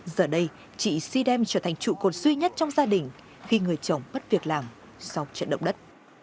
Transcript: giờ đây chị sidem trở thành trụ cột duy nhất trong gia đình khi người chồng bất việc làm sau trận động đất